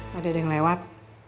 tadi ada yang lewat